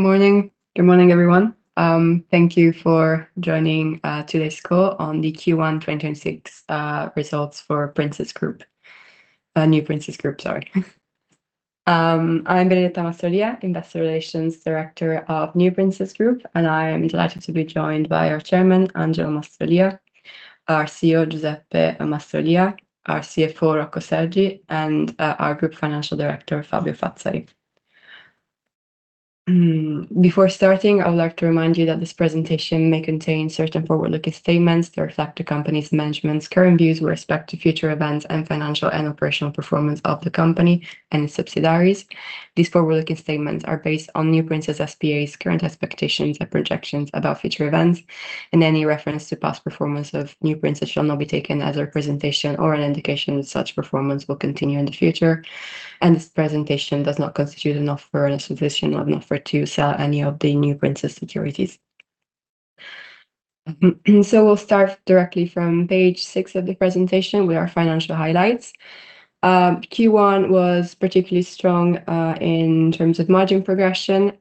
Morning. Good morning, everyone. Thank you for joining today's call on the Q1 2026 results for Princes Group. NewPrinces Group, sorry. I'm Benedetta Mastrolia, Investor Relations Director of NewPrinces Group, and I am delighted to be joined by our Chairman, Angelo Mastrolia, our CEO, Giuseppe Mastrolia, our CFO, Rocco Sergi, and our Group Financial Director, Fabio Fazzari. Before starting, I would like to remind you that this presentation may contain certain forward-looking statements that reflect the company's management's current views with respect to future events and financial and operational performance of the company and its subsidiaries. These forward-looking statements are based on NewPrinces S.p.A.'s current expectations and projections about future events, and any reference to past performance of NewPrinces shall not be taken as a representation or an indication that such performance will continue in the future. This presentation does not constitute an offer in a position or an offer to sell any of the NewPrinces securities. We'll start directly from page six of the presentation with our financial highlights. Q1 was particularly strong in terms of margin progression,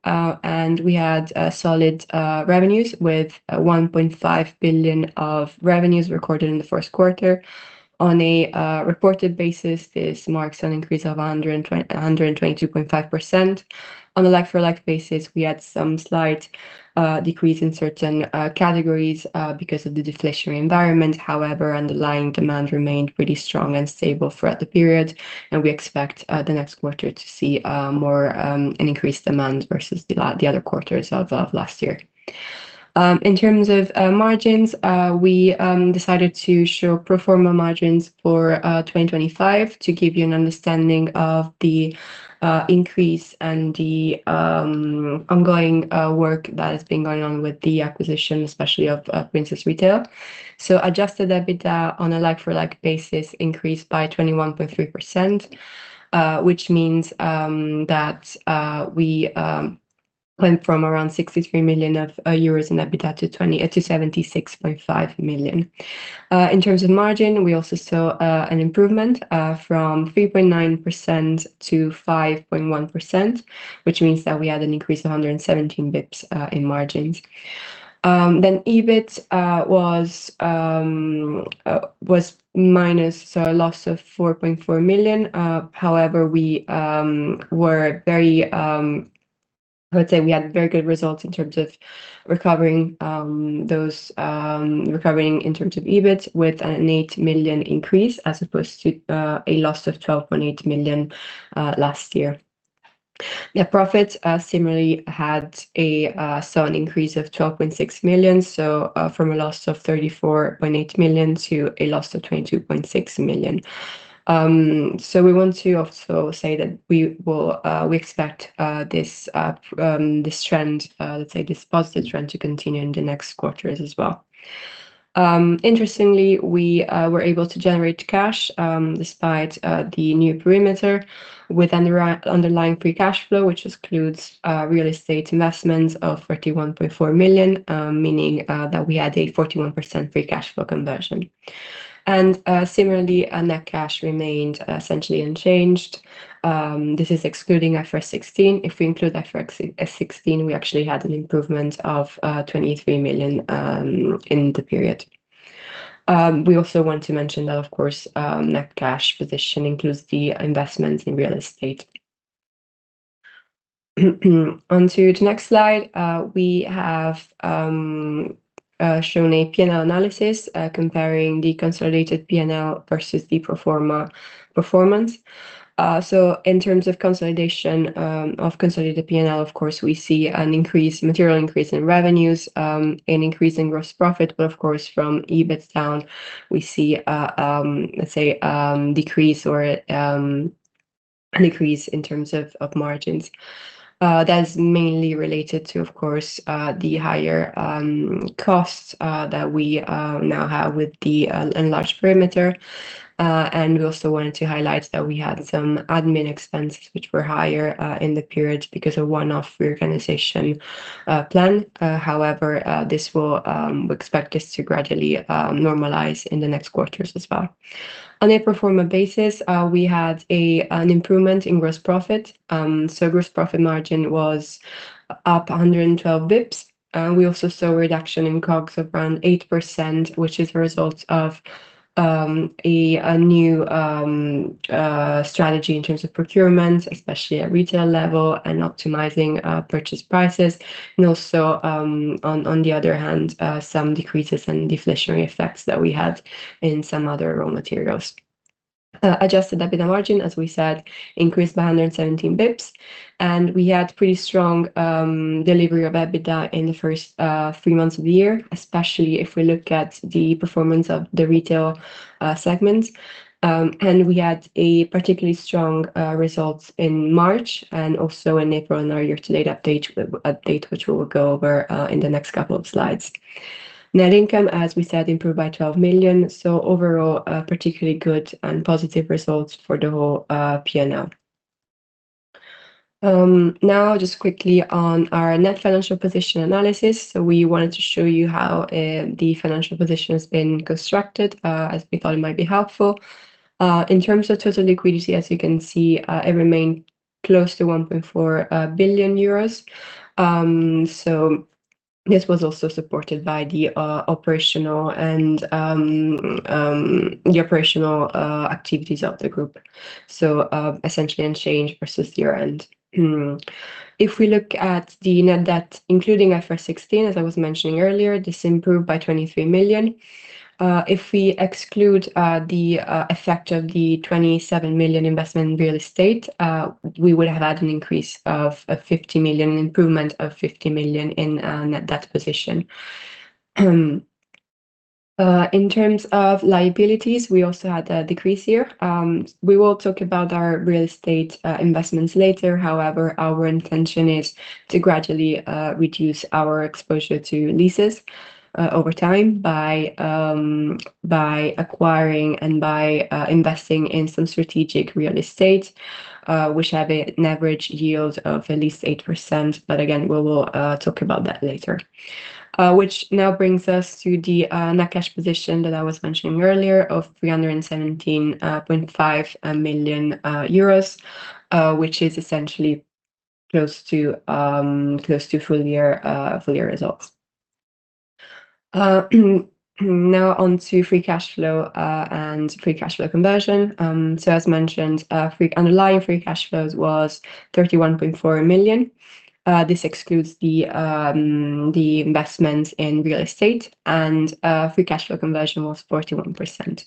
we had solid revenues with 1.5 billion of revenues recorded in the first quarter. On a reported basis, this marks an increase of 122.5%. On a like-for-like basis, we had some slight decrease in certain categories because of the deflationary environment. However, underlying demand remained pretty strong and stable throughout the period, and we expect the next quarter to see more an increased demand versus the other quarters of last year. In terms of margins, we decided to show pro forma margins for 2025 to give you an understanding of the increase and the ongoing work that has been going on with the acquisition, especially of Princes Retail. Adjusted EBITDA on a like-for-like basis increased by 21.3%, which means that we went from around 63 million euros in EBITDA to 76.5 million. In terms of margin, we also saw an improvement from 3.9%-5.1%, which means that we had an increase of 117 basis points in margins. EBIT was minus, so a loss of 4.4 million. However, we were very I would say we had very good results in terms of recovering those recovering in terms of EBIT with an 8 million increase as opposed to a loss of 12.8 million last year. Net profits similarly had a saw an increase of 12.6 million, from a loss of 34.8 million to a loss of 22.6 million. We want to also say that we will we expect this trend, let's say this positive trend to continue in the next quarters as well. Interestingly, we were able to generate cash, despite the new perimeter with underlying free cash flow, which excludes real estate investments of 41.4 million, meaning that we had a 41% free cash flow conversion. Similarly, our net cash remained essentially unchanged. This is excluding IFRS 16. If we include IFRS 16, we actually had an improvement of 23 million in the period. We also want to mention that, of course, net cash position includes the investment in real estate. On to the next slide. We have shown a P&L analysis comparing the consolidated P&L versus the pro forma performance. In terms of consolidation, of consolidated P&L, of course, we see an increase, material increase in revenues, an increase in gross profit. Of course, from EBIT down, we see a, let's say, decrease in terms of margins. That's mainly related to, of course, the higher costs that we now have with the enlarged perimeter. And we also wanted to highlight that we had some admin expenses which were higher in the period because of one-off reorganization plan. However, we expect this to gradually normalize in the next quarters as well. On a pro forma basis, we had an improvement in gross profit. Gross profit margin was up 112 basis points. We also saw a reduction in COGS of around 8%, which is a result of a new strategy in terms of procurement, especially at retail level and optimizing purchase prices. On the other hand, some decreases and deflationary effects that we had in some other raw materials. Adjusted EBITDA margin, as we said, increased by 117 basis points. We had pretty strong delivery of EBITDA in the first three months of the year, especially if we look at the performance of the retail segment. We had a particularly strong results in March and also in April on our year-to-date update, which we will go over in the next couple of slides. Net income, as we said, improved by 12 million. Overall, particularly good and positive results for the whole P&L. Now just quickly on our net financial position analysis. We wanted to show you how the financial position has been constructed as we thought it might be helpful. In terms of total liquidity, as you can see, it remained close to 1.4 billion euros. This was also supported by the operational activities of the group, essentially unchanged versus year-end. If we look at the net debt, including IFRS 16, as I was mentioning earlier, this improved by 23 million. If we exclude the effect of the 27 million investment in real estate, we would have had an increase of 50 million, an improvement of 50 million in net debt position. In terms of liabilities, we also had a decrease here. We will talk about our real estate investments later. Our intention is to gradually reduce our exposure to leases over time by acquiring and by investing in some strategic real estate, which have an average yield of at least 8%. Again, we will talk about that later. Which now brings us to the net cash position that I was mentioning earlier of 317.5 million euros, which is essentially close to close to full year full-year results. Now on to free cash flow and free cash flow conversion. As mentioned, underlying free cash flows was 31.4 million. This excludes the investment in real estate and free cash flow conversion was 41%.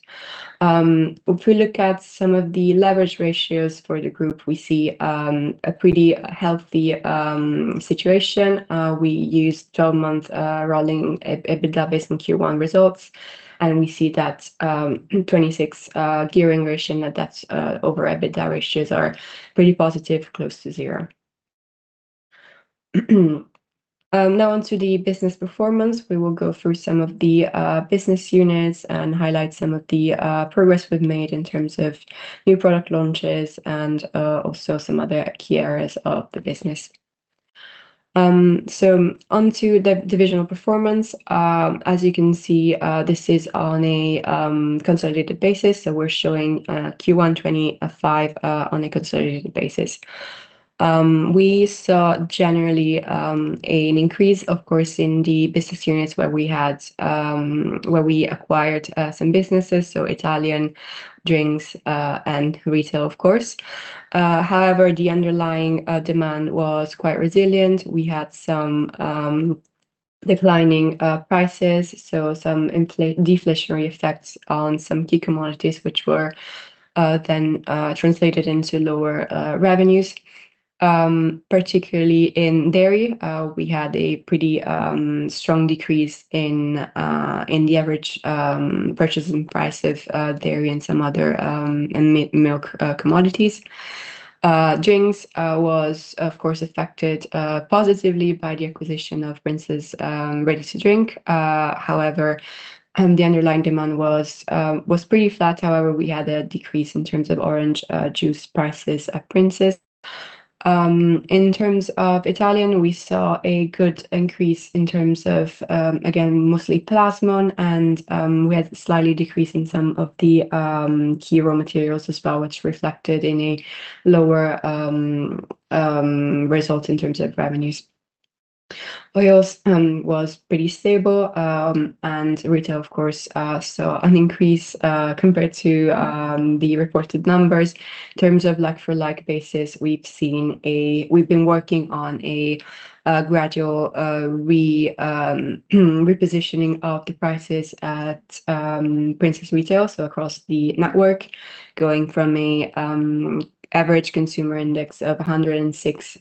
If we look at some of the leverage ratios for the group, we see a pretty healthy situation. We used 12-month rolling EBITDA based on Q1 results, and we see that 2026 gearing ratio, net debt over EBITDA ratios are pretty positive, close to zero. Now onto the business performance. We will go through some of the business units and highlight some of the progress we've made in terms of new product launches and also some other key areas of the business. Onto the divisional performance. As you can see, this is on a consolidated basis, we're showing Q1 2025 on a consolidated basis. We saw generally an increase in the business units where we had where we acquired some businesses, so Italian drinks and retail. However, the underlying demand was quite resilient. We had some declining prices, so some deflationary effects on some key commodities, which were then translated into lower revenues. Particularly in dairy, we had a pretty strong decrease in the average purchasing price of dairy and some other and milk commodities. Drinks was affected positively by the acquisition of Princes Ready to Drink. However, the underlying demand was pretty flat. However, we had a decrease in terms of orange juice prices at Princes. In terms of Italian, we saw a good increase in terms of, again, mostly Plasmon and, we had slightly decrease in some of the key raw materials as well, which reflected in a lower result in terms of revenues. Oils was pretty stable, retail, of course, saw an increase compared to the reported numbers. In terms of like-for-like basis, we've been working on a gradual repositioning of the prices at Princes Retail, so across the network, going from an average consumer index of 106,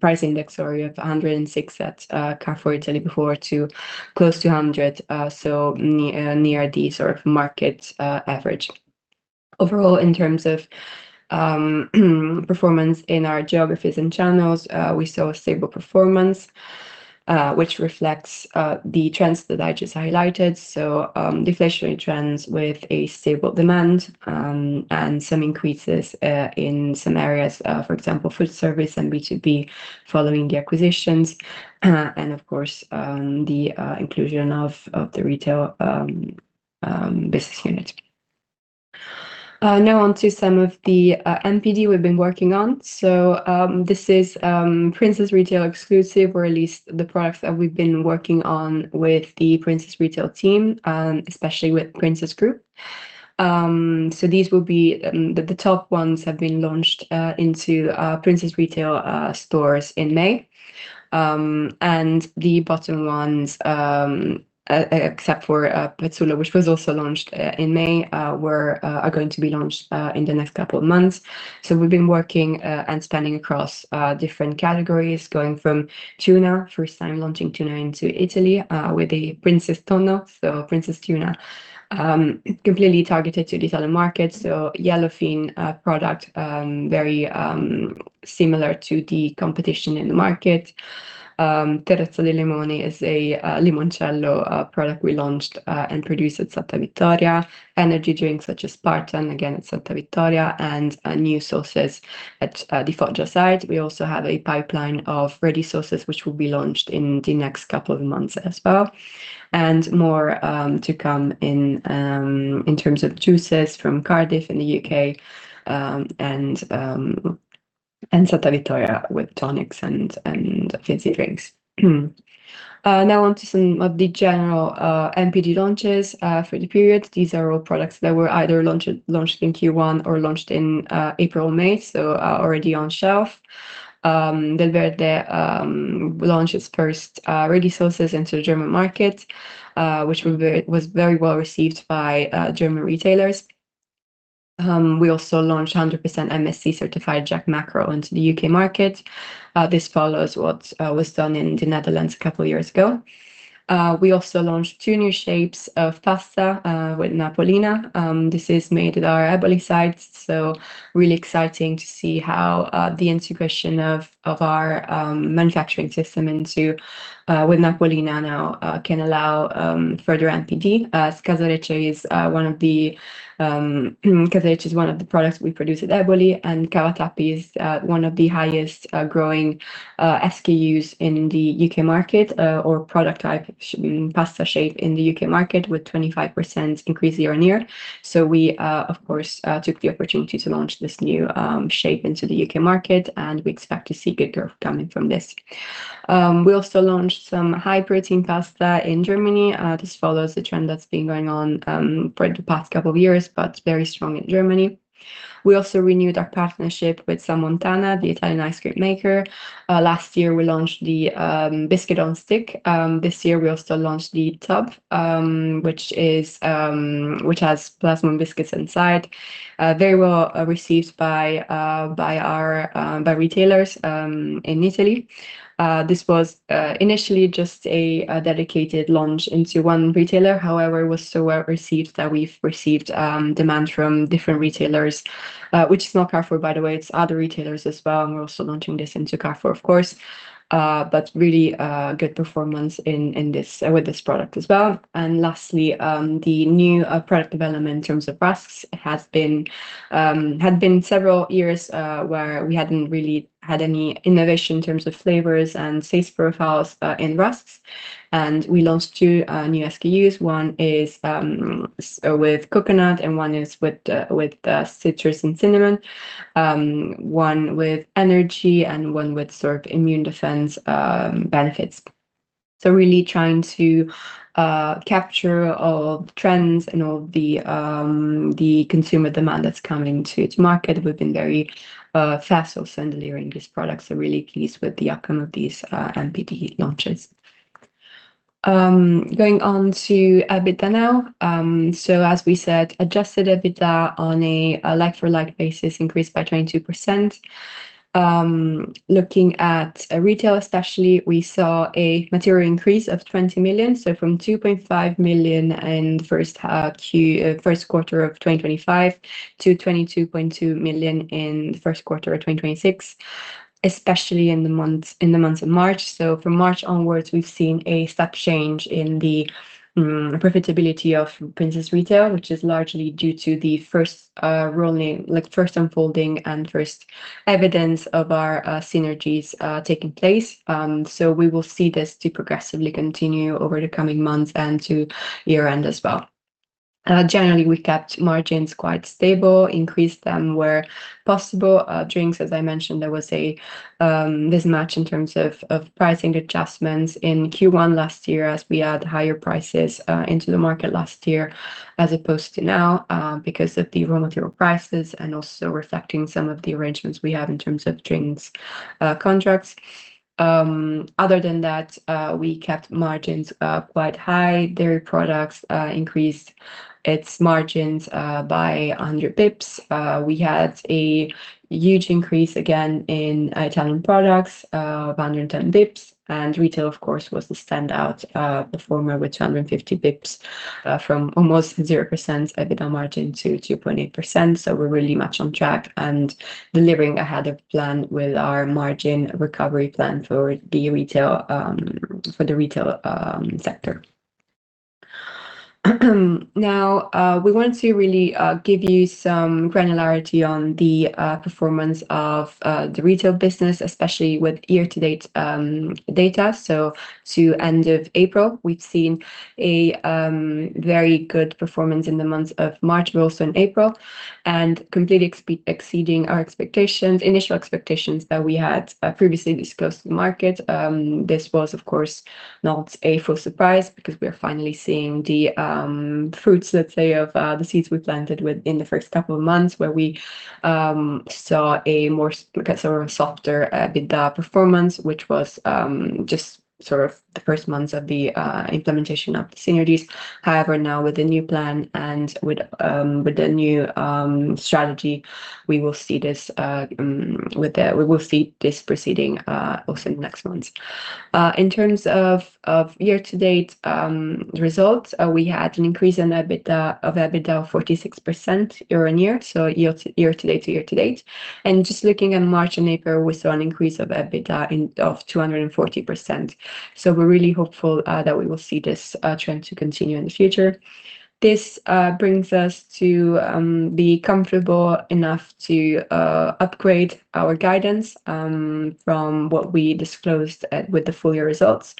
price index, sorry, of 106 at Carrefour Italy before to close to 100, so near the sort of market average. Overall, in terms of performance in our geographies and channels, we saw a stable performance, which reflects the trends that I just highlighted. Deflationary trends with a stable demand, and some increases in some areas, for example, food service and B2B following the acquisitions, and of course, the inclusion of the retail business unit. Now onto some of the NPD we've been working on. This is Princes Retail exclusive, or at least the products that we've been working on with the Princes Retail team, especially with Princes Group. These will be the top ones have been launched into Princes Retail stores in May. The bottom ones, except for Pezzullo, which was also launched in May, are going to be launched in the next couple of months. We've been working and spanning across different categories, going from tuna, first time launching tuna into Italy, with the Princes Tonno, so Princes Tuna. Completely targeted to the Italian market, yellowfin product, very similar to the competition in the market. Terra di Limoni is a limoncello product we launched and produce at Santa Vittoria. Energy drinks such as Spartan, again, at Santa Vittoria, new sauces at the Foggia site. We also have a pipeline of ready sauces which will be launched in the next couple of months as well. More to come in in terms of juices from Cardiff in the U.K. and Santa Vittoria with tonics and fizzy drinks. Now on to some of the general NPD launches for the period. These are all products that were either launched in Q1 or launched in April/May, so are already on shelf. Delverde launched its first ready sauces into the German market, which was very well received by German retailers. We also launched 100% MSC-certified jack mackerel into the U.K. market. This follows what was done in the Netherlands couple of years ago. We also launched two new shapes of pasta with Napolina. This is made at our Eboli site, really exciting to see how the integration of our manufacturing system with Napolina can allow further NPD. Casarecce is one of the products we produce at Eboli, and Cavatappi is one of the highest growing SKUs in the U.K. market, or product type, short pasta shape in the U.K. market with 25% increase year-on-year. We, of course, took the opportunity to launch this new shape into the U.K. market, and we expect to see good growth coming from this. We also launched some high-protein pasta in Germany. This follows a trend that's been going on for the past couple of years, but very strong in Germany. We also renewed our partnership with Sammontana, the Italian ice cream maker. Last year we launched the biscuit on stick. This year we also launched the tub, which is, which has Plasmon biscuits inside, very well received by our by retailers in Italy. This was initially just a dedicated launch into one retailer. However, it was so well-received that we've received demand from different retailers, which is not Carrefour, by the way. It's other retailers as well, and we're also launching this into Carrefour, of course. Really good performance in this with this product as well. Lastly, the new product development in terms of rusks had been several years where we hadn't really had any innovation in terms of flavors and taste profiles in rusks. We launched two new SKUs. One is with coconut, and one is with citrus and cinnamon. One with energy and one with sort of immune defense benefits. Really trying to capture all the trends and all the consumer demand that's coming to market. We've been very fast of delivering these products. We're really pleased with the outcome of these NPD launches. Going on to EBITDA now. As we said, adjusted EBITDA on a like-for-like basis increased by 22%. Looking at retail, especially, we saw a material increase of 20 million, so from 2.5 million in first quarter of 2025 to 22.2 million in the first quarter of 2026, especially in the month of March. From March onwards, we've seen a step change in the profitability of Princes Retail, which is largely due to the first rolling, like first unfolding and first evidence of our synergies taking place. We will see this to progressively continue over the coming months and to year-end as well. Generally, we kept margins quite stable, increased them where possible. Drinks, as I mentioned, there was a mismatch in terms of pricing adjustments in Q1 last year as we had higher prices into the market last year as opposed to now because of the raw material prices and also reflecting some of the arrangements we have in terms of drinks contracts. Other than that, we kept margins quite high. Dairy products increased its margins by 100 basis points. We had a huge increase again in Italian products, 110 basis points. Retail, of course, was the standout performer with 250 basis points from almost 0% EBITDA margin to 2.8%. We're really much on track and delivering ahead of plan with our margin recovery plan for the retail sector. Now, we want to really give you some granularity on the performance of the retail business, especially with year-to-date data. To end of April, we've seen a very good performance in the months of March, but also in April, and completely exceeding our expectations, initial expectations that we had previously disclosed to the market. This was, of course, not a full surprise because we are finally seeing the fruits, let's say, of the seeds we planted within the first couple of months where we saw a more, I guess, a softer EBITDA performance, which was just sort of the first months of the implementation of the synergies. However, now with the new plan and with the new strategy, we will see this, we will see this proceeding also in the next months. In terms of year-to-date results, we had an increase of EBITDA of 46% year-on-year, so year to year-to-date. Just looking at March and April, we saw an increase of EBITDA of 240%. We're really hopeful that we will see this trend to continue in the future. This brings us to be comfortable enough to upgrade our guidance from what we disclosed with the full-year results.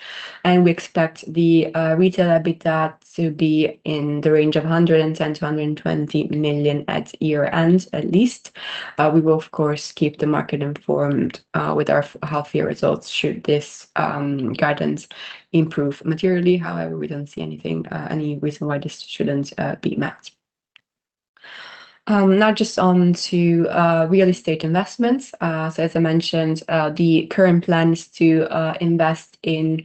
We expect the retail EBITDA to be in the range of 110 million-120 million at year-end at least. We will, of course, keep the market informed with our half-year results should this guidance improve materially. However, we don't see anything, any reason why this shouldn't be met. Now just on to real estate investments. As I mentioned, the current plans to invest in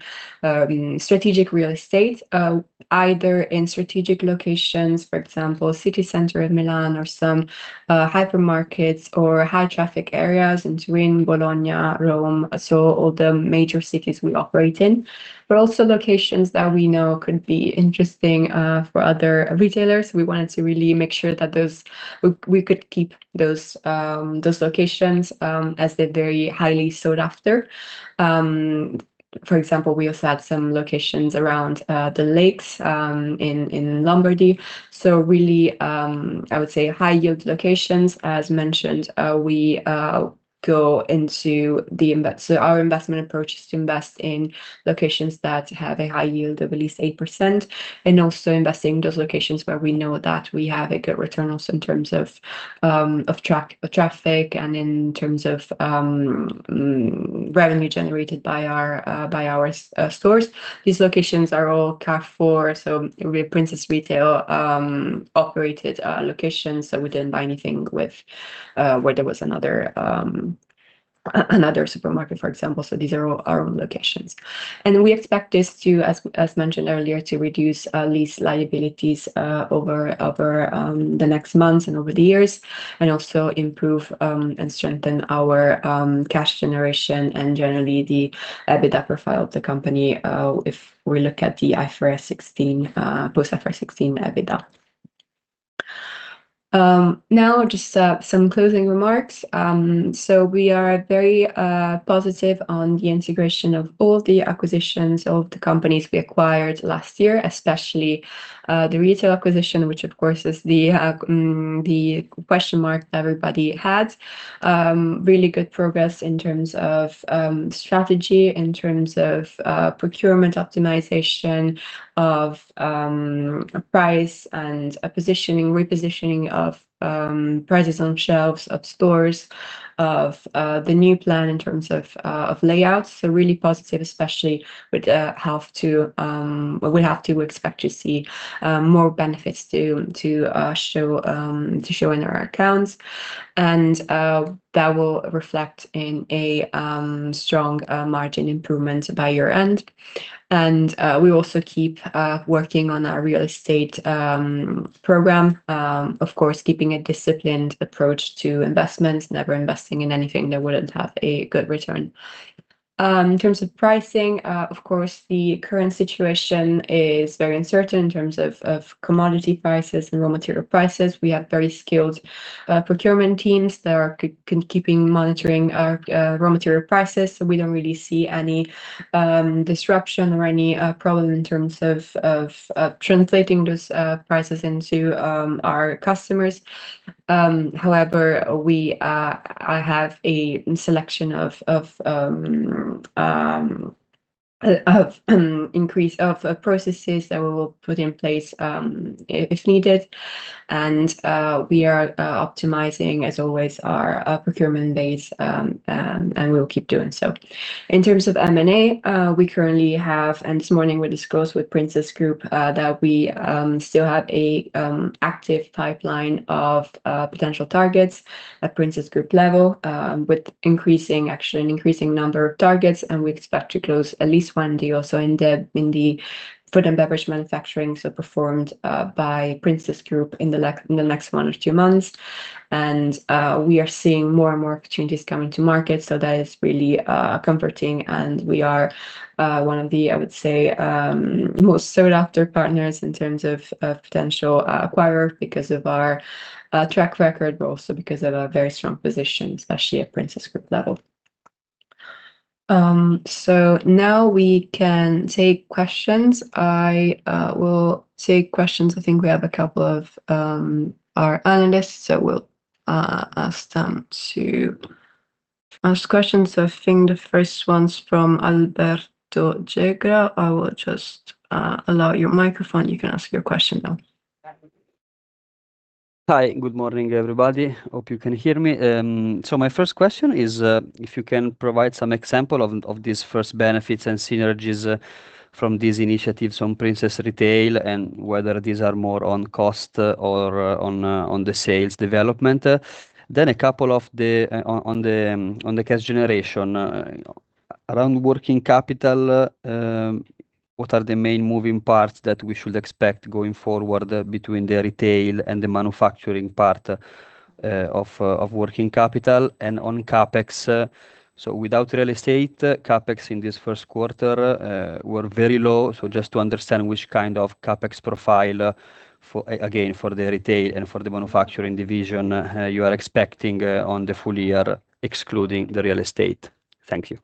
strategic real estate, either in strategic locations, for example, city center of Milan or some hypermarkets or high traffic areas in Turin, Bologna, Rome. All the major cities we operate in. Also locations that we know could be interesting for other retailers. We wanted to really make sure that we could keep those locations as they're very highly sought after. For example, we also have some locations around the lakes in Lombardy. I would say high yield locations. As mentioned, we go into our investment approach is to invest in locations that have a high yield of at least 8%, and also invest in those locations where we know that we have a good return also in terms of traffic and in terms of revenue generated by our stores. These locations are all Carrefour, really Princes Retail operated locations. We didn't buy anything with where there was another supermarket, for example. These are all our own locations. We expect this to, as mentioned earlier, to reduce lease liabilities over the next months and over the years, and also improve and strengthen our cash generation and generally the EBITDA profile of the company, if we look at the IFRS 16, post IFRS 16 EBITDA. Now just some closing remarks. We are very positive on the integration of all the acquisitions of the companies we acquired last year, especially the retail acquisition, which of course is the question mark that everybody had. Really good progress in terms of strategy, in terms of procurement optimization, of price and a positioning, repositioning of prices on shelves of stores, of the new plan in terms of layouts. Really positive, especially with half two. Well, half two we expect to see more benefits to show in our accounts. That will reflect in a strong margin improvement by year-end. We also keep working on our real estate program. Of course, keeping a disciplined approach to investments, never investing in anything that wouldn't have a good return. In terms of pricing, of course, the current situation is very uncertain in terms of commodity prices and raw material prices. We have very skilled procurement teams that are keeping monitoring raw material prices, so we don't really see any disruption or any problem in terms of translating those prices into our customers. However, we I have a selection of increase of processes that we will put in place, if needed. We are optimizing, as always, our procurement base. We'll keep doing so. In terms of M&A, we currently have, this morning we discussed with Princes Group, that we still have an active pipeline of potential targets at Princes Group level, with increasing, actually an increasing number of targets, we expect to close at least one deal, so in the food and beverage manufacturing, performed by Princes Group in the next 1 or 2 months. We are seeing more and more opportunities coming to market, so that is really comforting. We are one of the, I would say, most sought after partners in terms of potential acquirers because of our track record, but also because of our very strong position, especially at Princes Group level. Now we can take questions. I will take questions. I think we have a couple of our analysts, so we'll ask them to ask questions. I think the first one's from Alberto Gegra. I will just allow your microphone. You can ask your question now. Hi. Good morning, everybody. Hope you can hear me. So my first question is, if you can provide some example of these first benefits and synergies, from these initiatives on Princes Retail and whether these are more on cost or on the sales development. Then a couple of the on the cash generation around working capital, what are the main moving parts that we should expect going forward between the retail and the manufacturing part of working capital and on CapEx? So without real estate, CapEx in this first quarter were very low. So just to understand which kind of CapEx profile for, again, for the retail and for the manufacturing division, you are expecting on the full year, excluding the real estate. Thank you.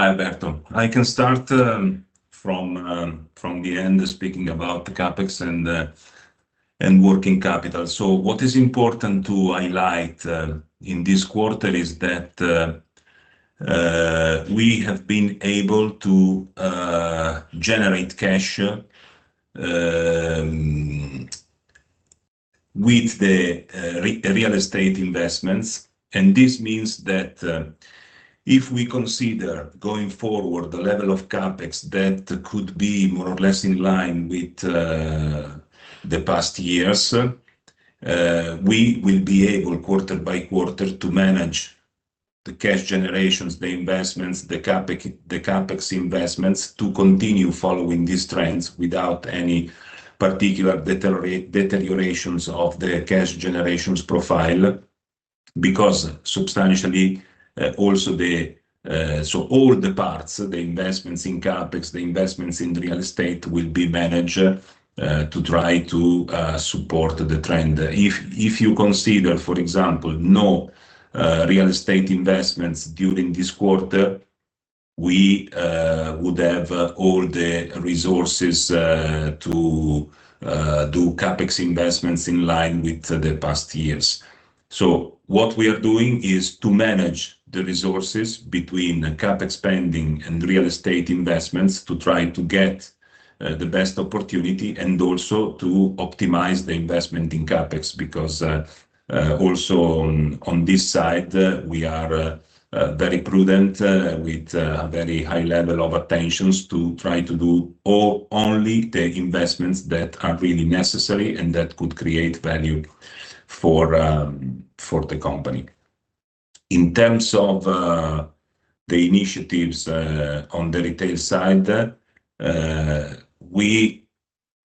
Hi, Alberto. I can start from the end speaking about the CapEx and working capital. What is important to highlight in this quarter is that we have been able to generate cash with the real estate investments. This means that if we consider going forward the level of CapEx, that could be more or less in line with the past years. We will be able, quarter-by-quarter, to manage the cash generations, the investments, the CapEx, the CapEx investments, to continue following these trends without any particular deteriorations of the cash generations profile. Because substantially, also the all the parts, the investments in CapEx, the investments in real estate will be managed to try to support the trend. If you consider, for example, real estate investments during this quarter, we would have all the resources to do CapEx investments in line with the past years. What we are doing is to manage the resources between the CapEx spending and real estate investments to try to get the best opportunity, and also to optimize the investment in CapEx. Also on this side, we are very prudent with very high level of attentions to try to do only the investments that are really necessary and that could create value for the company. In terms of the initiatives on the retail side, we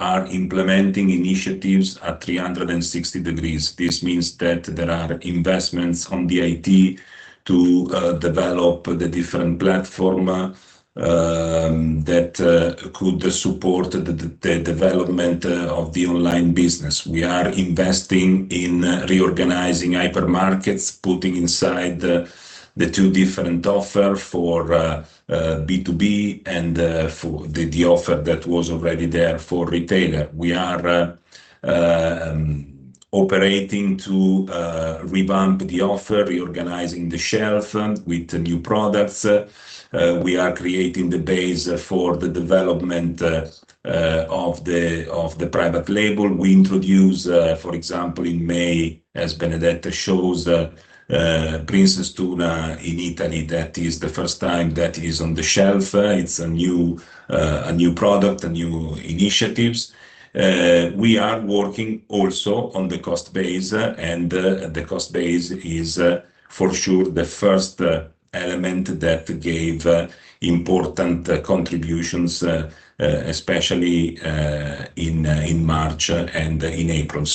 are implementing initiatives at 360 degrees. This means that there are investments on the IT to develop the different platform that could support the development of the online business. We are investing in reorganizing hyper markets, putting inside the two different offer for B2B and for the offer that was already there for retailer. We are operating to revamp the offer, reorganizing the shelf with the new products. We are creating the base for the development of the private label. We introduce, for example, in May, as Benedetta shows, Princes Tuna in Italy. That is the first time that is on the shelf. It's a new, a new product, a new initiatives. We are working also on the cost base, and the cost base is for sure the first element that gave important contributions especially in March and in April.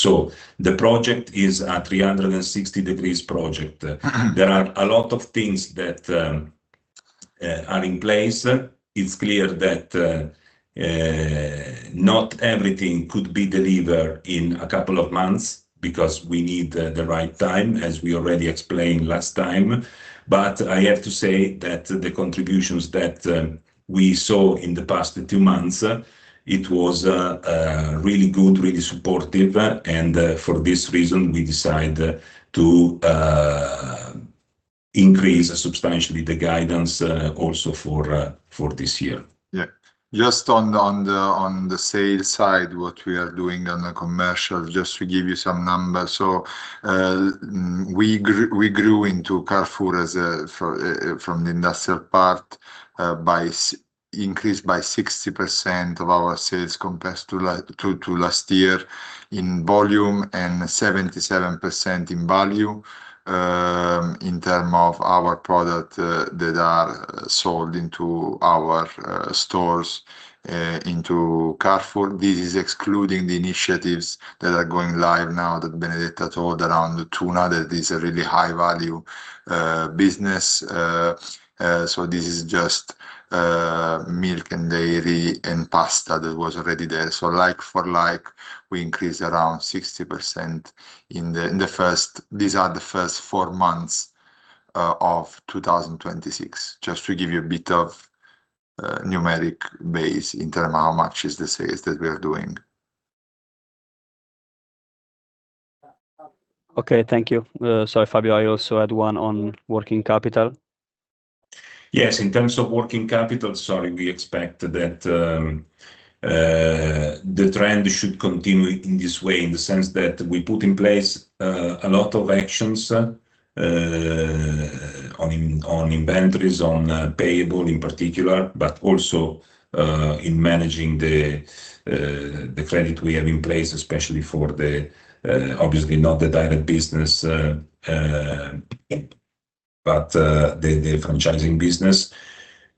The project is a 360 degrees project. There are a lot of things that are in place. It's clear that not everything could be delivered in a couple of months, because we need the right time, as we already explained last time. I have to say that the contributions that we saw in the past two months, it was really good, really supportive. For this reason, we decide to increase substantially the guidance also for this year. Yeah. Just on the sales side, what we are doing on the commercial, just to give you some numbers. We grew into Carrefour as for from the industrial part, increased by 60% of our sales compared to last year in volume and 77% in value, in term of our product that are sold into our stores into Carrefour. This is excluding the initiatives that are going live now that Benedetta told around the tuna. That is a really high value business. This is just milk and dairy and pasta that was already there. Like-for-like, we increased around 60% in the first These are the first four months of 2026. Just to give you a bit of, numeric base in terms of how much is the sales that we are doing. Okay. Thank you. Sorry, Fabio, I also had one on working capital. Yes, in terms of working capital, sorry, we expect that the trend should continue in this way, in the sense that we put in place a lot of actions on inventories, on payable in particular, but also in managing the credit we have in place, especially for the obviously not the direct business, but the franchising business.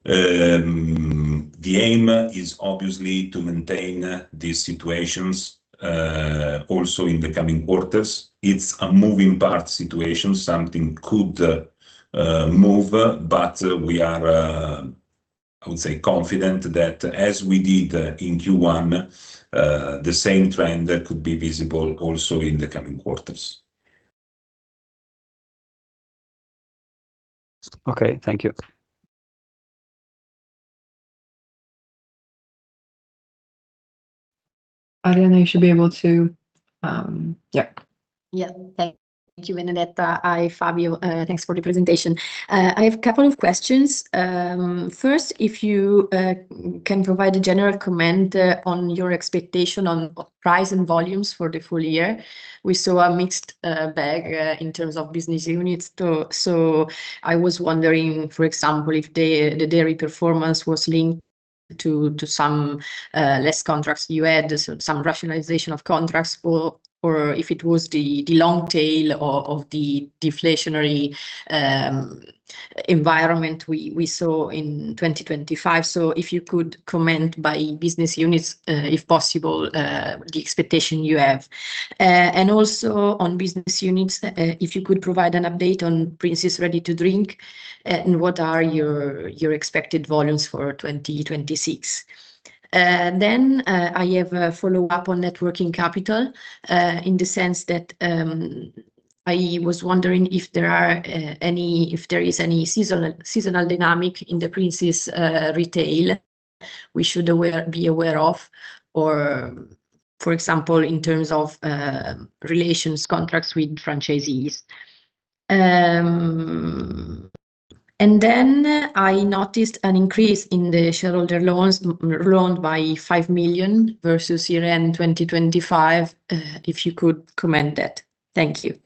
The aim is obviously to maintain these situations also in the coming quarters. It's a moving parts situation. Something could move, but we are, I would say, confident that, as we did in Q1, the same trend could be visible also in the coming quarters. Okay. Thank you. Arianna, you should be able to. Thank you, Benedetta. Hi, Fabio, thanks for the presentation. I have a couple of questions. First, if you can provide a general comment on your expectation on price and volumes for the full year. We saw a mixed bag in terms of business units too, so I was wondering, for example, if the dairy performance was linked to some less contracts you had, or some rationalization of contracts, or if it was the long tail of the deflationary environment we saw in 2025. If you could comment by business units, if possible, the expectation you have. Also on business units, if you could provide an update on Princes Ready to Drink, and what are your expected volumes for 2026. Then, I have a follow-up on net working capital, in the sense that, I was wondering if there is any seasonal dynamic in the Princes Retail we should be aware of or, for example, in terms of relations contracts with franchisees. I noticed an increase in the shareholder loans, loaned by 5 million versus year-end 2025. If you could comment that. Thank you.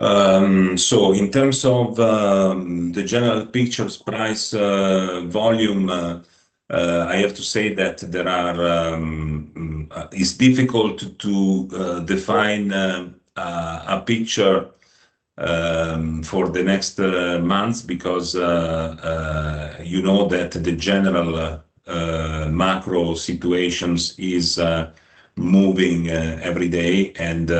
In terms of the general pictures price, volume, I have to say that there are it's difficult to define a picture for the next months because you know that the general macro situations is moving every day and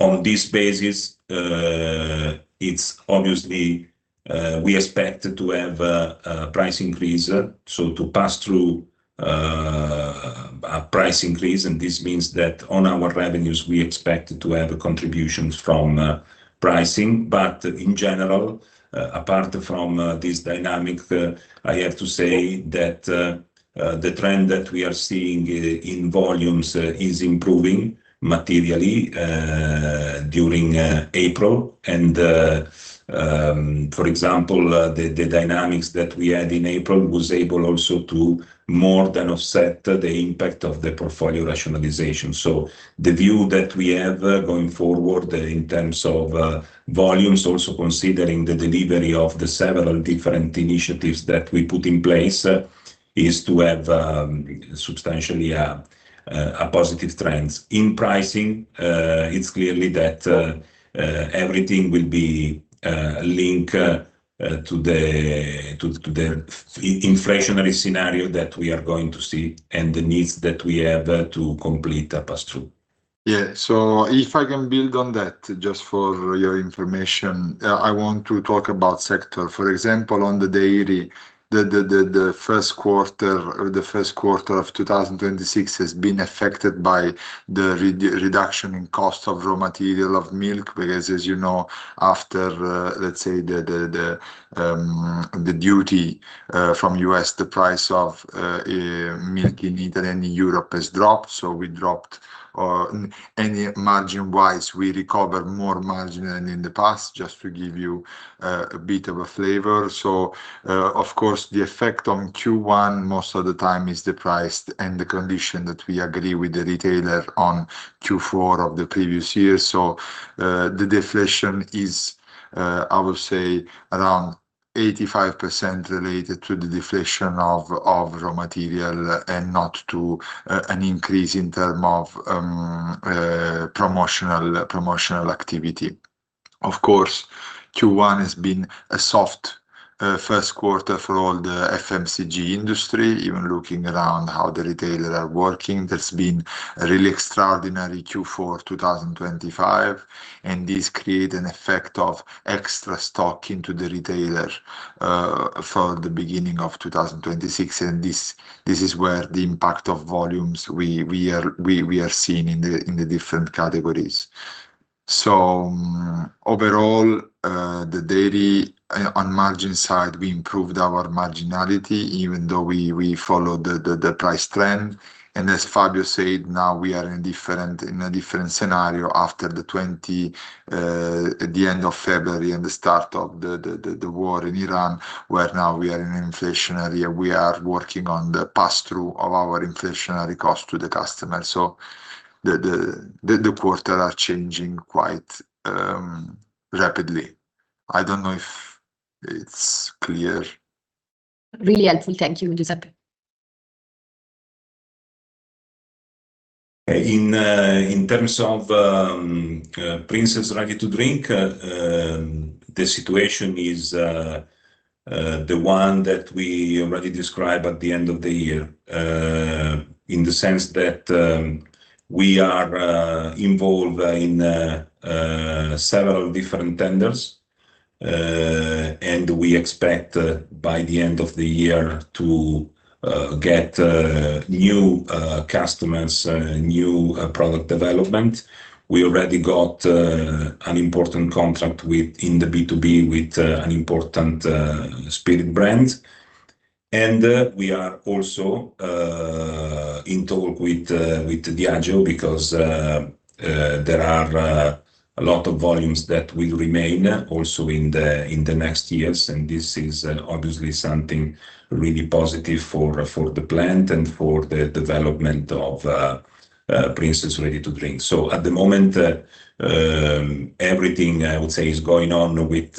on this basis, it's obviously we expect to have a price increase, to pass through a price increase and this means that on our revenues we expect to have a contributions from pricing. In general, apart from this dynamic, I have to say that the trend that we are seeing in volumes is improving materially during April. For example, the dynamics that we had in April was able also to more than offset the impact of the portfolio rationalization. The view that we have going forward in terms of volumes also considering the delivery of the several different initiatives that we put in place, is to have substantially a positive trends in pricing. It's clearly that everything will be link to the inflationary scenario that we are going to see and the needs that we have to complete a pass-through. Yeah. If I can build on that just for your information, I want to talk about sector. For example, on the dairy, the first quarter, the first quarter of 2026 has been affected by the reduction in cost of raw material of milk because as you know, after, let's say, the duty from U.S., the price of milk in Italy and in Europe has dropped, so we dropped, or and margin-wise, we recovered more margin than in the past, just to give you a bit of a flavor. Of course, the effect on Q1 most of the time is the price and the condition that we agree with the retailer on Q4 of the previous year. The deflation is, I would say, around 85% related to the deflation of raw material and not to an increase in term of promotional activity. Of course, Q1 has been a soft first quarter for all the FMCG industry, even looking around how the retailer are working. There's been a really extraordinary Q4 2025, and this create an effect of extra stock into the retailer, for the beginning of 2026, and this is where the impact of volumes we are seeing in the different categories. Overall, the dairy, on margin side, we improved our marginality even though we followed the price trend. As Fabio said, now we are in a different scenario after the end of February and the start of the war in Iran, where now we are in an inflationary and we are working on the pass-through of our inflationary cost to the customer. The quarter are changing quite rapidly. I don't know if it's clear. Really helpful. Thank you, Giuseppe. In terms of Princes Ready to Drink, the situation is the one that we already described at the end of the year, in the sense that we are involved in several different tenders. We expect by the end of the year to get new customers, new product development. We already got an important contract with, in the B2B with an important spirit brand. We are also in talk with Diageo because there are a lot of volumes that will remain also in the next years, and this is obviously something really positive for the plant and for the development of Princes Ready to Drink. At the moment, everything I would say is going on with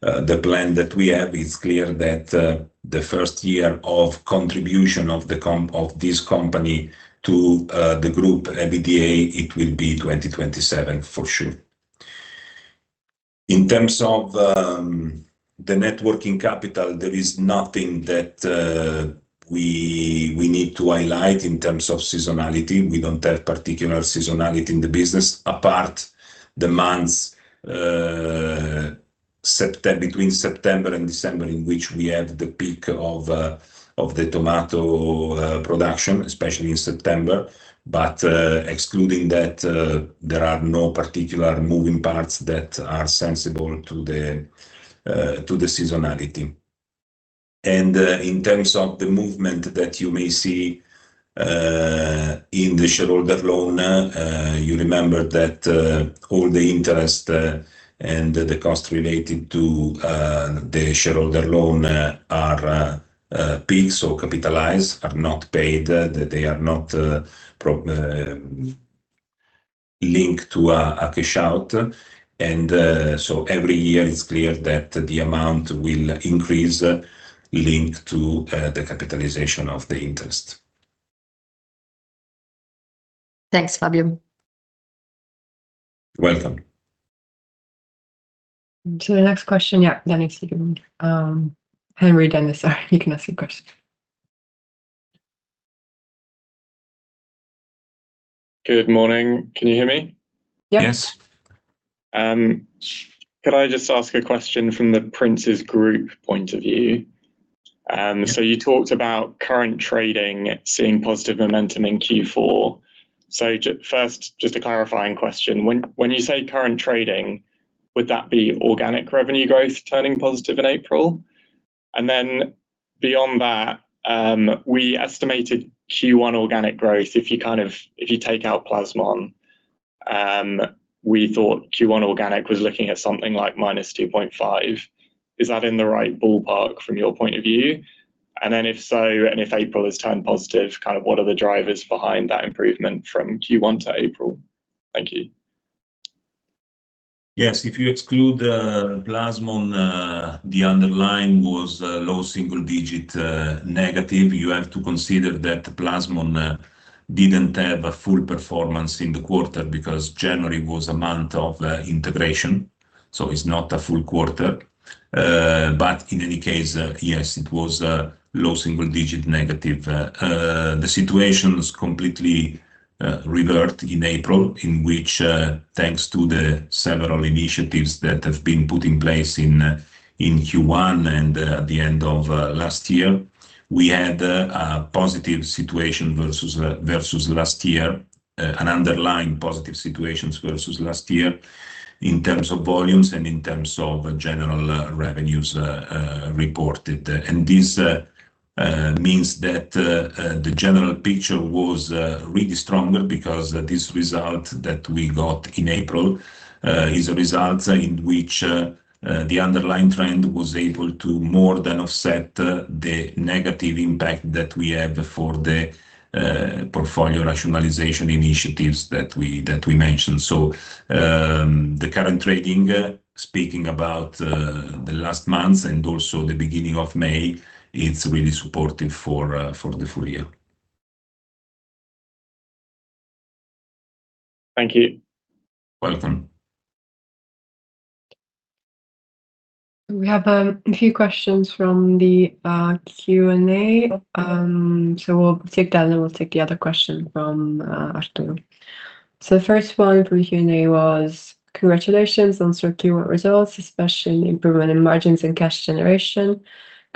the plan that we have. It's clear that the first year of contribution of this company to the group EBITDA, it will be 2027 for sure. In terms of the net working capital, there is nothing that we need to highlight in terms of seasonality. We don't have particular seasonality in the business apart the months, between September and December in which we have the peak of the tomato production, especially in September. Excluding that, there are no particular moving parts that are sensible to the seasonality. In terms of the movement that you may see in the shareholder loan, you remember that all the interest and the cost related to the shareholder loan are PIK or capitalized, are not paid. They are not linked to a cash out. Every year it's clear that the amount will increase linked to the capitalization of the interest. Thanks, Fabio. Welcome. The next question. Yeah, Dennis, you can, Henry Dennis, sorry. You can ask your question. Good morning. Can you hear me? Yes. Yes. Could I just ask a question from the Princes Group point of view? You talked about current trading seeing positive momentum in Q4. First, just a clarifying question. When you say current trading, would that be organic revenue growth turning positive in April? Beyond that, we estimated Q1 organic growth, if you kind of if you take out Plasmon, we thought Q1 organic was looking at something like -2.5%. Is that in the right ballpark from your point of view? If so, and if April has turned positive, kind of what are the drivers behind that improvement from Q1 to April? Thank you. Yes. If you exclude Plasmon, the underlying was low single digit negative. You have to consider that Plasmon didn't have a full performance in the quarter because January was a month of integration, so it's not a full quarter. In any case, yes, it was low single digit negative. The situation's completely revert in April in which, thanks to the several initiatives that have been put in place in Q1 and at the end of last year, we had a positive situation versus last year, an underlying positive situations versus last year in terms of volumes and in terms of general revenues reported. This means that the general picture was really stronger because this result that we got in April is a result in which the underlying trend was able to more than offset the negative impact that we had for the portfolio rationalization initiatives that we mentioned. The current trading, speaking about the last month and also the beginning of May, it's really supportive for the full year. Thank you. You're welcome. We have a few questions from the Q&A. We'll take that, and then we'll take the other question from Arthur. The first one from Q&A was, "Congratulations on your Q1 results, especially improvement in margins and cash generation. Could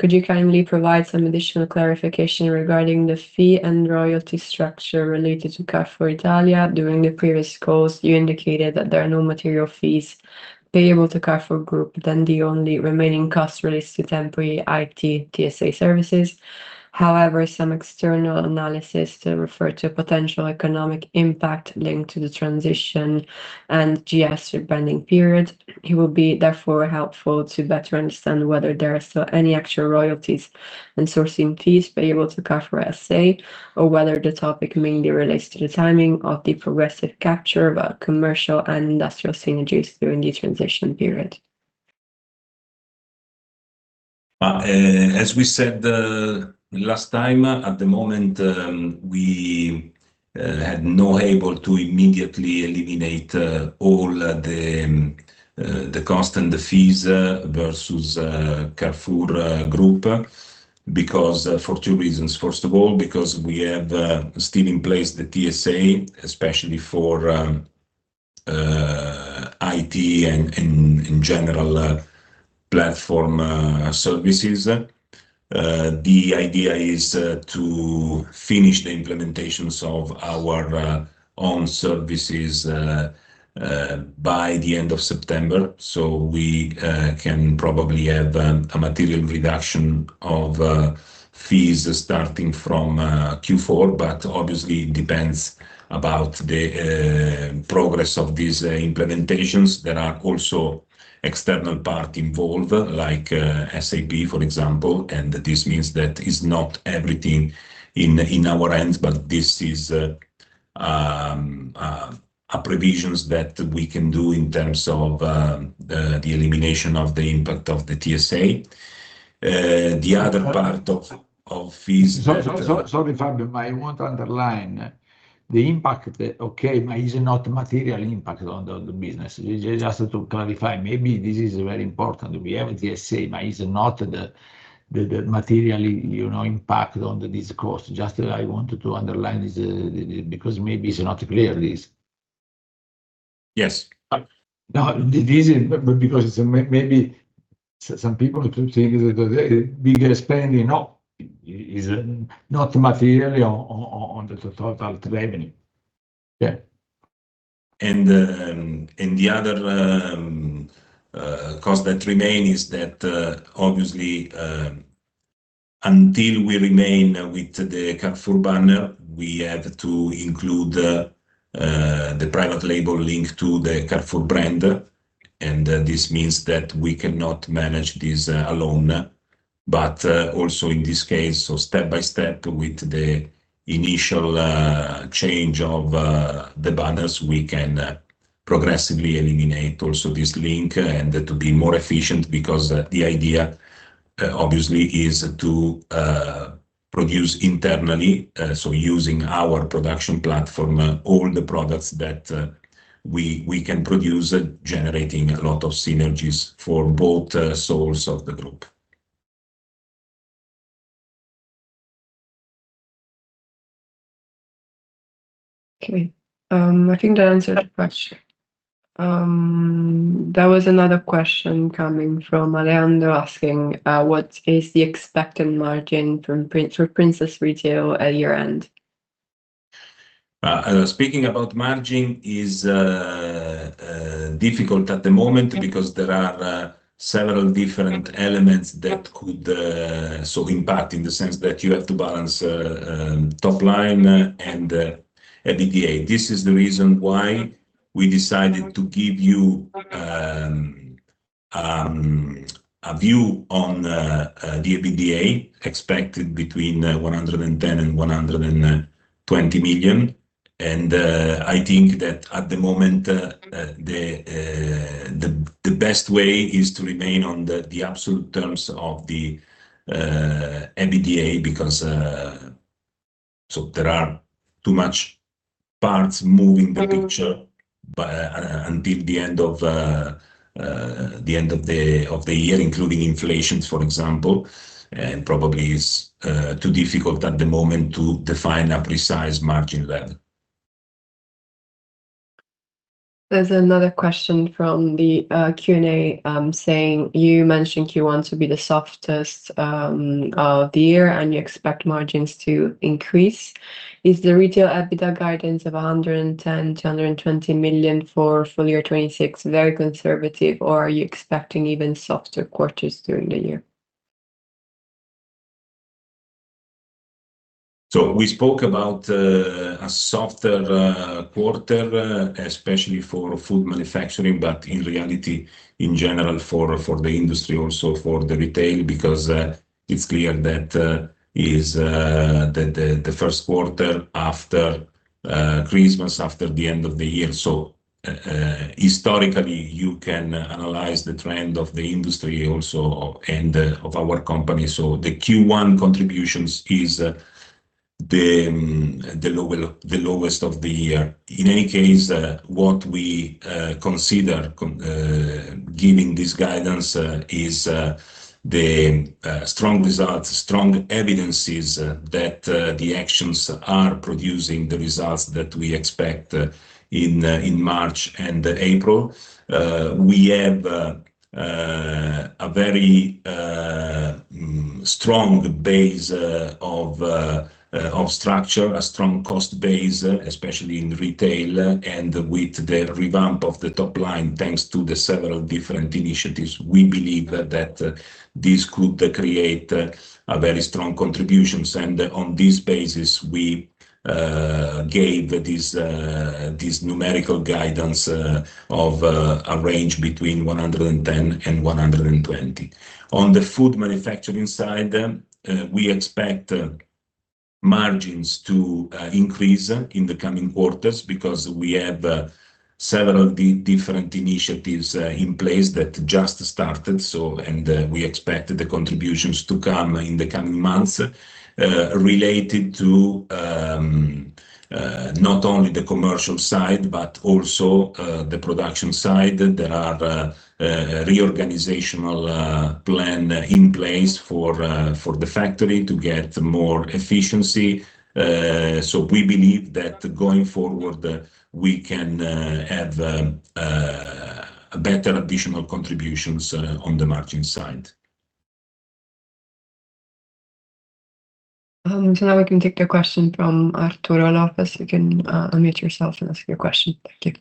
you kindly provide some additional clarification regarding the fee and royalty structure related to Carrefour Italia? During the previous calls, you indicated that there are no material fees payable to Carrefour Group than the only remaining cost related to temporary IT TSA services. Some external analysis refer to a potential economic impact linked to the transition and GS rebranding period. It will be therefore helpful to better understand whether there are still any actual royalties and sourcing fees payable to Carrefour SA, or whether the topic mainly relates to the timing of the progressive capture of our commercial and industrial synergies during the transition period. As we said last time, at the moment, we had no able to immediately eliminate all the cost and the fees versus Carrefour Group because for two reasons. First of all, because we have still in place the TSA, especially for IT and in general platform services. The idea is to finish the implementations of our own services by the end of September. We can probably have a material reduction of fees starting from Q4, but obviously it depends about the progress of these implementations. There are also external part involved, like, SAP, for example, and this means that it's not everything in our hands, but this is a provisions that we can do in terms of the elimination of the impact of the TSA. Sorry. Of fees that Sorry, Fabio, I want to underline the impact, okay, is it not material impact on the business? Just to clarify, maybe this is very important. We have TSA, is it not the material, you know, impact on this cost? Just that I wanted to underline this because maybe it's not clear, this. Yes. No, this is because maybe some people could think because we get spending, no. Is it not material on the total revenue? Yeah. The other cost that remain is that obviously, until we remain with the Carrefour banner, we have to include the private label linked to the Carrefour brand. This means that we cannot manage this alone. Also in this case, so step by step with the initial change of the banners, we can progressively eliminate also this link and to be more efficient because the idea obviously is to produce internally, so using our production platform, all the products that we can produce generating a lot of synergies for both sources of the group. Okay. I think that answered the question. There was another question coming from Alejandro asking, "What is the expected margin for Princes Retail at year-end?" Speaking about margin is difficult at the moment. Okay. Because there are several different elements that could so impact in the sense that you have to balance top line and EBITDA. This is the reason why we decided to give you a view on the EBITDA expected between 110 million and 120 million. I think that at the moment the best way is to remain on the absolute terms of the EBITDA because so there are too much parts moving the picture until the end of the year, including inflation, for example. Probably is too difficult at the moment to define a precise margin level. There's another question from the Q&A, saying, "You mentioned Q1 to be the softest of the year, and you expect margins to increase. Is the retail EBITDA guidance of 110 million-120 million for full year 2026 very conservative, or are you expecting even softer quarters during the year? We spoke about a softer quarter, especially for food manufacturing, but in reality, in general, for the industry also for the retail because it's clear that is the first quarter after Christmas, after the end of the year. Historically, you can analyze the trend of the industry also and of our company. The Q1 contributions is the lowest of the year. In any case, what we consider giving this guidance is the strong results, strong evidences that the actions are producing the results that we expect in March and April. We have a very strong base of structure, a strong cost base, especially in retail and with the revamp of the top line, thanks to the several different initiatives. We believe that this could create a very strong contributions. On this basis, we gave this numerical guidance of a range between 110 million-120 million. On the food manufacturing side, we expect margins to increase in the coming quarters because we have several different initiatives in place that just started, so, and, we expect the contributions to come in the coming months related to not only the commercial side, but also the production side. There are reorganizational plan in place for the factory to get more efficiency. We believe that going forward, we can have a better additional contributions on the margin side. Now we can take a question from Arturo Lopez. You can unmute yourself and ask your question. Thank you.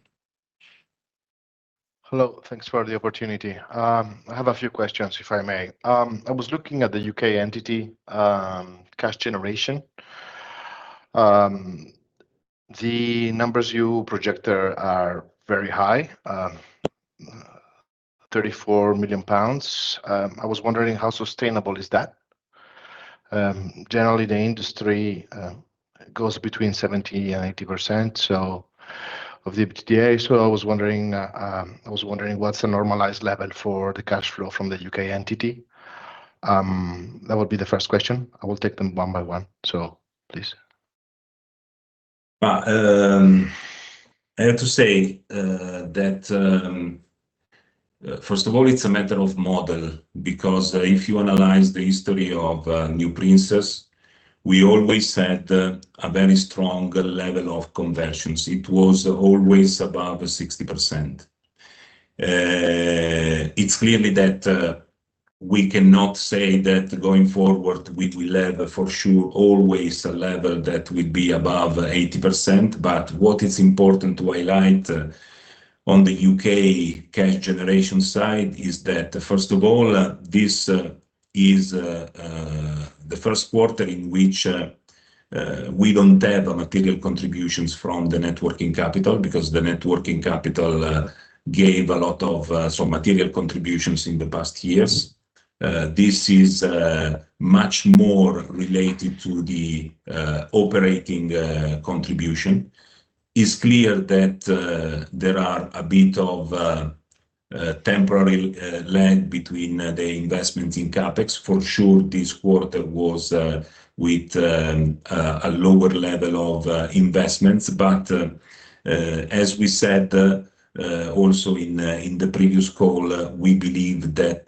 Hello. Thanks for the opportunity. I have a few questions, if I may. I was looking at the U.K. entity, cash generation. The numbers you project there are very high, 34 million pounds. I was wondering how sustainable is that? Generally, the industry goes between 70% and 80%, so of the EBITDA. I was wondering what's the normalized level for the cash flow from the U.K. entity? That would be the first question. I will take them one by one, so please. I have to say that first of all, it's a matter of model because if you analyze the history of NewPrinces, we always had a very strong level of conversions. It was always above 60%. It's clearly that we cannot say that going forward we will have for sure always a level that will be above 80%. What is important to highlight on the U.K. cash generation side is that first of all, this is the first quarter in which we don't have material contributions from the net working capital because the net working capital gave a lot of some material contributions in the past years. This is much more related to the operating contribution. It's clear that there are a bit of temporary lag between the investments in CapEx. For sure, this quarter was with a lower level of investments. As we said, also in the previous call, we believe that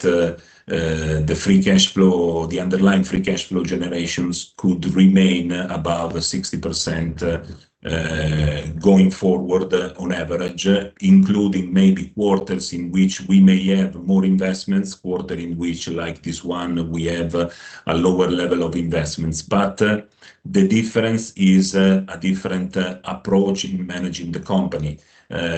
the free cash flow, the underlying free cash flow generations could remain above 60% going forward on average, including maybe quarters in which we may have more investments, quarter in which, like this one, we have a lower level of investments. The difference is a different approach in managing the company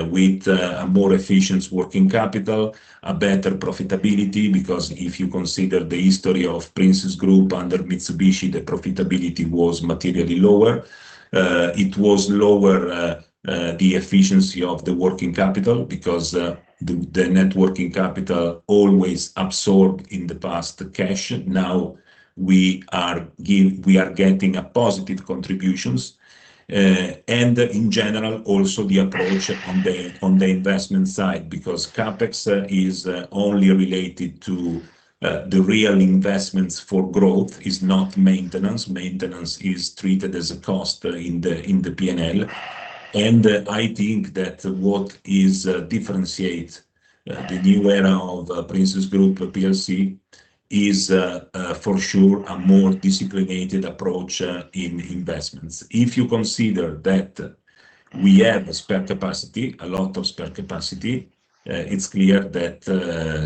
with a more efficient working capital, a better profitability, because if you consider the history of Princes Group under Mitsubishi, the profitability was materially lower. It was lower, the efficiency of the working capital because the net working capital always absorbed in the past cash. Now we are getting a positive contributions. In general, also the approach on the investment side, because CapEx is only related to the real investments for growth, it's not maintenance. Maintenance is treated as a cost in the P&L. I think that what is differentiate the new era of Princes Group PLC is for sure a more disciplined approach in investments. If you consider that we have spare capacity, a lot of spare capacity, it's clear that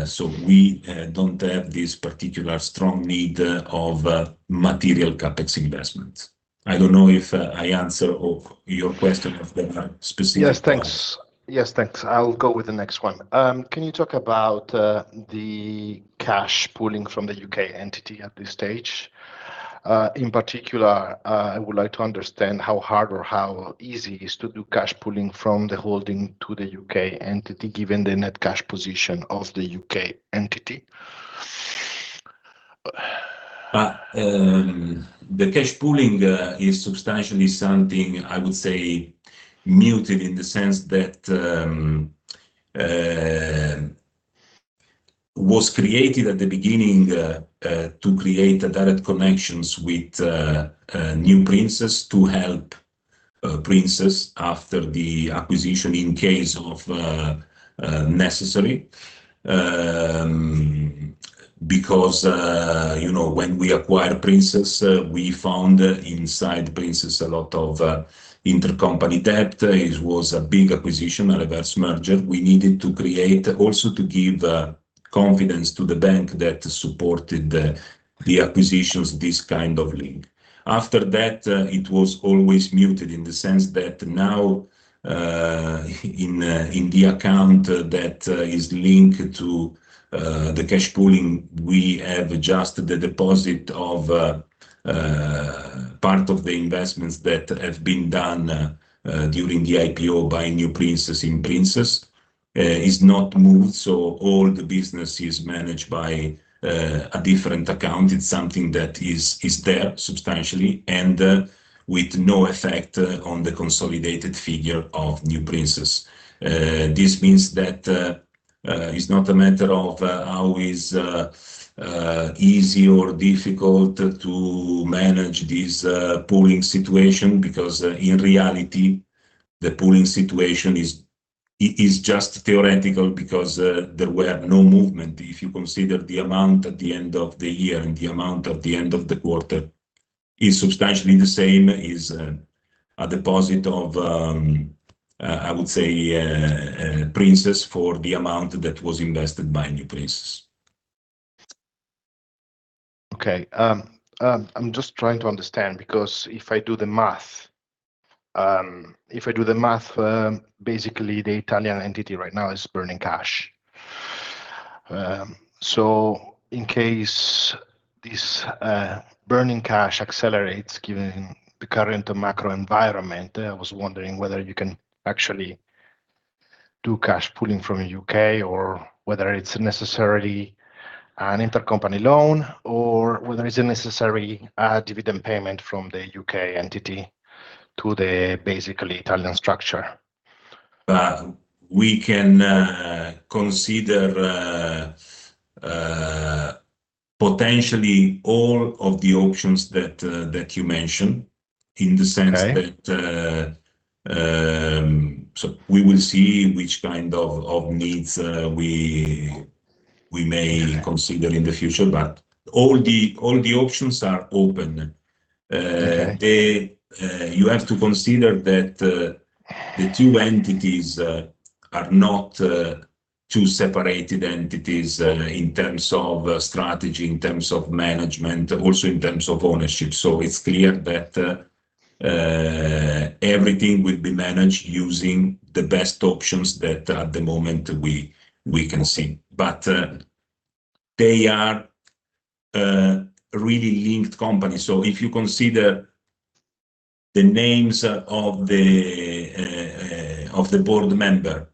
so we don't have this particular strong need of material CapEx investments. I don't know if I answer of your question of the specific one. Yes, thanks. I'll go with the next one. Can you talk about the cash pooling from the U.K. entity at this stage? In particular, I would like to understand how hard or how easy it is to do cash pooling from the holding to the U.K. entity, given the net cash position of the U.K. entity. The cash pooling is substantially something I would say muted in the sense that was created at the beginning to create direct connections with NewPrinces to help Princes after the acquisition in case of necessary. Because, you know, when we acquired Princes, we found inside Princes a lot of intercompany debt. It was a big acquisition, a reverse merger. We needed to create also to give confidence to the bank that supported the acquisitions, this kind of link. After that, it was always muted in the sense that now in the account that is linked to the cash pooling, we have adjusted the deposit of part of the investments that have been done during the IPO by NewPrinces in Princes. It's not moved. All the business is managed by a different account. It's something that is there substantially and with no effect on the consolidated figure of NewPrinces. This means that it's not a matter of how is easy or difficult to manage this pooling situation because in reality, the pooling situation is just theoretical because there were no movement. If you consider the amount at the end of the year and the amount at the end of the quarter is substantially the same, is a deposit of, I would say, Princes for the amount that was invested by NewPrinces. Okay. I'm just trying to understand because if I do the math, if I do the math, basically the Italian entity right now is burning cash. In case this burning cash accelerates given the current macro environment, I was wondering whether you can actually do cash pooling from U.K. or whether it's necessarily an intercompany loan, or whether it's a necessary dividend payment from the U.K. entity to the basically Italian structure. We can consider potentially all of the options that you mentioned in the sense that. We will see which kind of needs we may consider in the future. All the options are open. They, you have to consider that the two entities are not two separated entities in terms of strategy, in terms of management, also in terms of ownership. It's clear that everything will be managed using the best options that at the moment we can see. They are really linked companies. If you consider the names of the board member,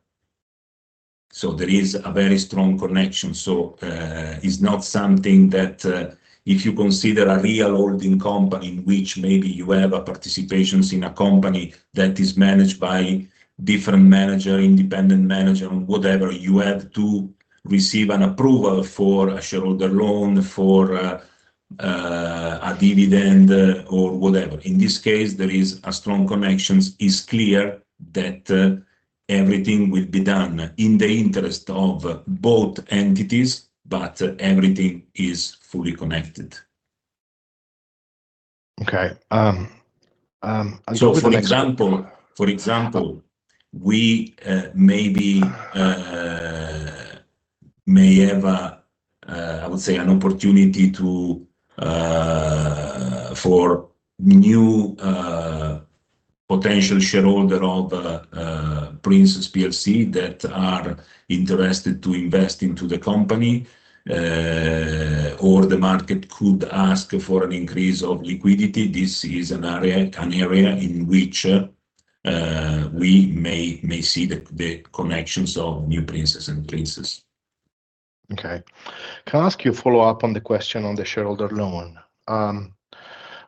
there is a very strong connection. Is not something that, if you consider a real holding company in which maybe you have participations in a company that is managed by different manager, independent manager, and whatever, you have to receive an approval for a shareholder loan for a dividend, or whatever. In this case, there is a strong connection. It's clear that everything will be done in the interest of both entities, but everything is fully connected. I'll go with the next one. For example, we maybe may have a I would say an opportunity to for new potential shareholder of Princes PLC that are interested to invest into the company. The market could ask for an increase of liquidity. This is an area in which we may see the connections of NewPrinces and Princes. Okay. Can I ask you a follow-up on the question on the shareholder loan?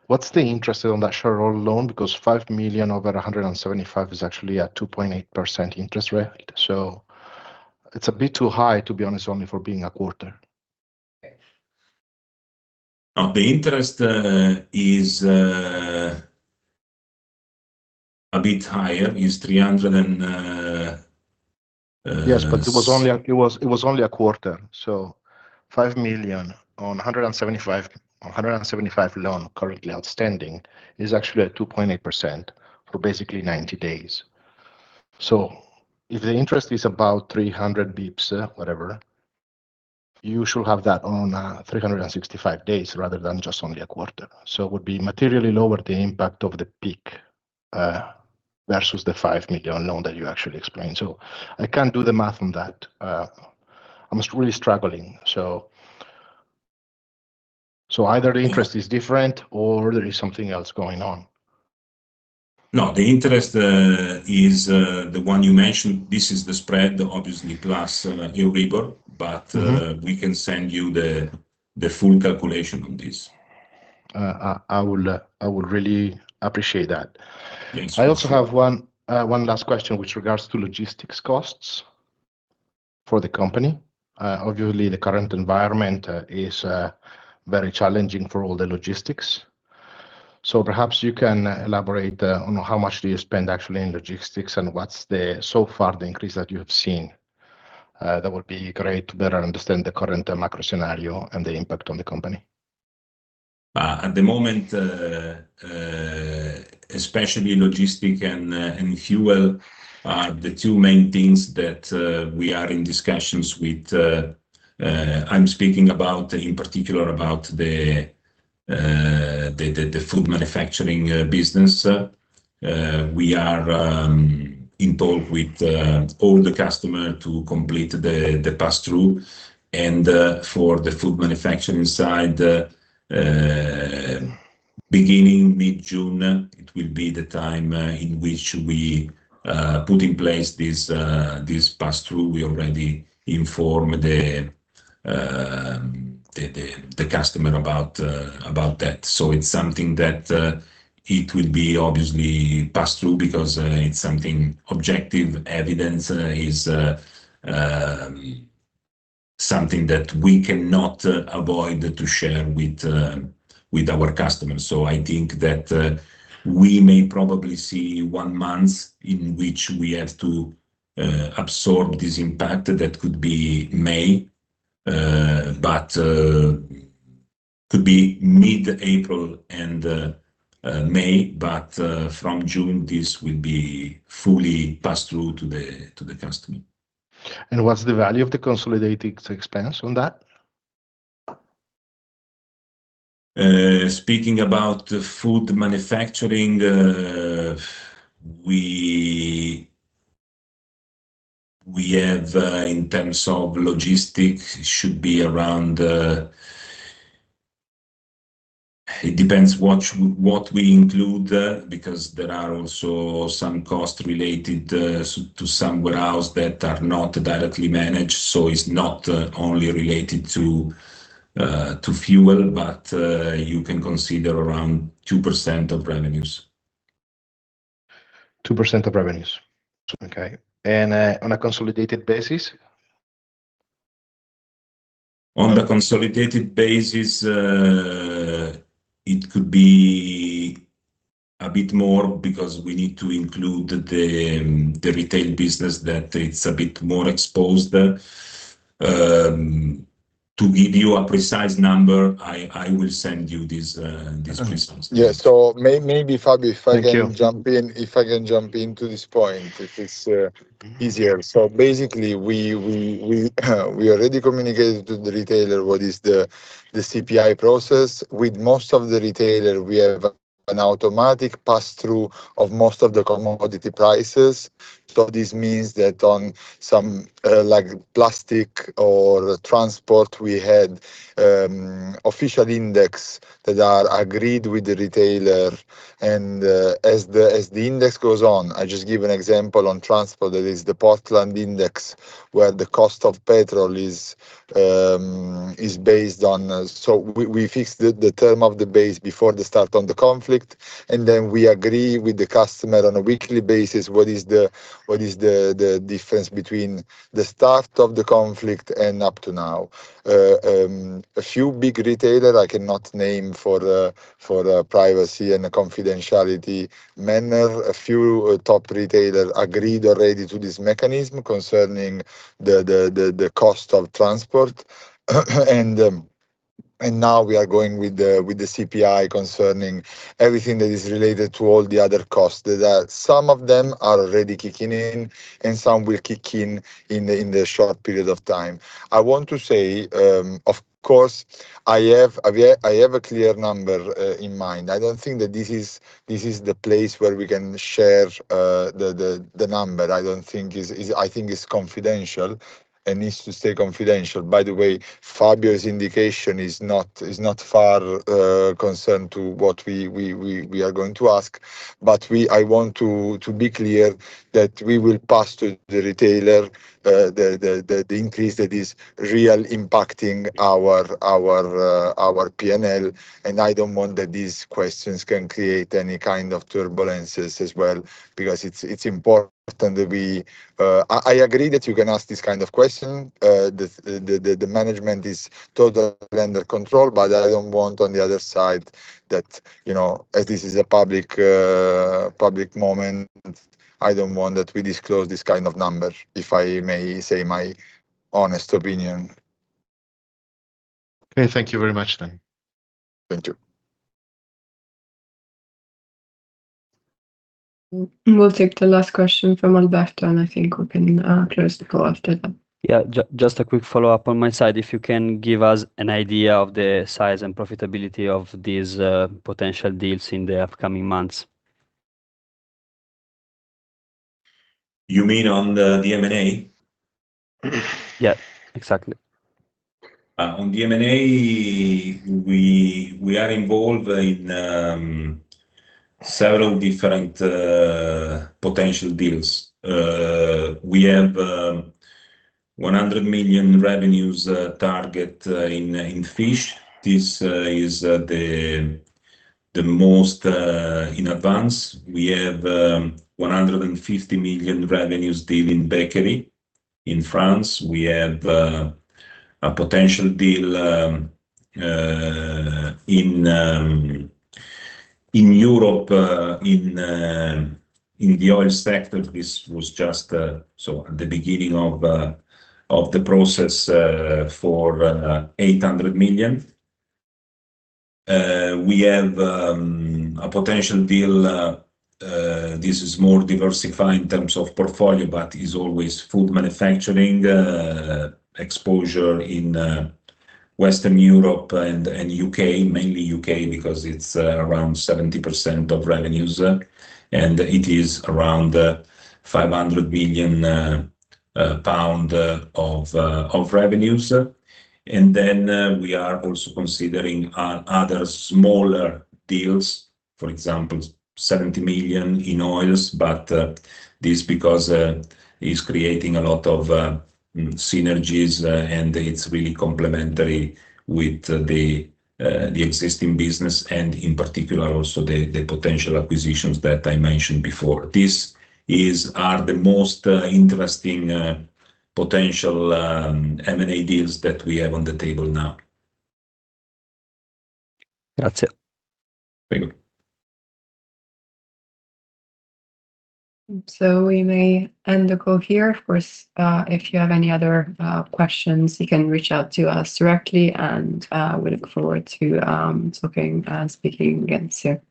What's the interest on that shareholder loan? 5 million over 175 million is actually a 2.8% interest rate. It's a bit too high to be honest, only for being a quarter. The interest is a bit higher. It's 300 basis points and... Yes, it was only a quarter. 5 million on 175 loan currently outstanding is actually a 2.8% for basically 90 days. If the interest is about 300 basis points, whatever, you should have that on 365 days rather than just only a quarter. It would be materially lower the impact of the peak versus the 5 million loan that you actually explained. I can't do the math on that. I'm really struggling. Either the interest is different or there is something else going on. No, the interest is the one you mentioned. This is the spread obviously plus Euribor. We can send you the full calculation on this. I would really appreciate that. Yes. I also have one last question with regards to logistics costs for the company. Obviously the current environment is very challenging for all the logistics. Perhaps you can elaborate on how much do you spend actually in logistics and what's the, so far the increase that you have seen. That would be great to better understand the current macro scenario and the impact on the company. At the moment, especially logistic and fuel are the two main things that we are in discussions with. I'm speaking about in particular about the food manufacturing business. We are in talk with all the customer to complete the pass-through and for the food manufacturing side, beginning mid-June, it will be the time in which we put in place this pass-through. We already informed the customer about that. It's something that it will be obviously pass-through because it's something objective evidence, is something that we cannot avoid to share with our customers. I think that we may probably see one month in which we have to absorb this impact. That could be May. Could be mid-April and May, from June this will be fully passed through to the customer. What's the value of the consolidated expense on that? Speaking about food manufacturing, we have, in terms of logistics, should be around. It depends what we include there, because there are also some costs related to some warehouse that are not directly managed. It is not only related to fuel, but you can consider around 2% of revenues. 2% of revenues. Okay. On a consolidated basis? On the consolidated basis, it could be a bit more because we need to include the retail business that it's a bit more exposed. To give you a precise number, I will send you this response. Yeah. Maybe, Fabio, if I can jump in. Thank you. If I can jump in to this point, if it's easier. Basically we already communicated to the retailer what is the CPI process. With most of the retailer, we have an automatic pass-through of most of the commodity prices. This means that on some, like plastic or transport, we had official index that are agreed with the retailer. As the index goes on, I just give an example on transport, that is the Portland index, where the cost of petrol is based on. We fixed the term of the base before the start of the conflict, and then we agree with the customer on a weekly basis what is the difference between the start of the conflict and up to now. A few big retailer I cannot name for the privacy and confidentiality manner. A few top retailer agreed already to this mechanism concerning the cost of transport. Now we are going with the CPI concerning everything that is related to all the other costs. That some of them are already kicking in, and some will kick in in the short period of time. I want to say, of course, I have a clear number in mind. I don't think that this is the place where we can share the number. I think it's confidential and needs to stay confidential. By the way, Fabio's indication is not far, concerned to what we are going to ask. I want to be clear that we will pass to the retailer, the increase that is real impacting our P&L, and I don't want that these questions can create any kind of turbulences as well, because it's important that we I agree that you can ask this kind of question. The management is totally under control. I don't want on the other side that, you know, as this is a public moment, I don't want that we disclose this kind of number. If I may say my honest opinion. Okay. Thank you very much then. Thank you. We'll take the last question from Alberto, and I think we can close the call after that. Yeah. Just a quick follow-up on my side, if you can give us an idea of the size and profitability of these potential deals in the upcoming months. You mean on the M&A? Yeah, exactly. On the M&A, we are involved in several different potential deals. We have a 100 million revenues target in fish. This is the most in advance. We have a 150 million revenues deal in bakery in France. We have a potential deal in Europe in the oil sector. This was just so at the beginning of the process for 800 million. We have a potential deal. This is more diversified in terms of portfolio but is always food manufacturing exposure in Western Europe and U.K. Mainly U.K. because it's around 70% of revenues and it is around 500 million pound of revenues. We are also considering other smaller deals. For example 70 million in oils, but this because is creating a lot of synergies, and it's really complementary with the existing business and in particular also the potential acquisitions that I mentioned before. These are the most interesting potential M&A deals that we have on the table now. That's it. Thank you. We may end the call here. Of course, if you have any other questions, you can reach out to us directly and we look forward to talking, speaking again soon. Bye.